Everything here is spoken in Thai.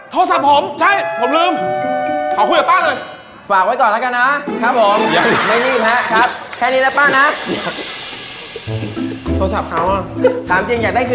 แต่มีข้อสอดลองนะ